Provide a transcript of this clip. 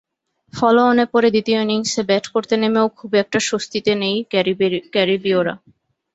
ফলোঅনে পড়ে দ্বিতীয় ইনিংসে ব্যাট করতে নেমেও খুব একটা স্বস্তিতে নেই ক্যারিবীয়রা।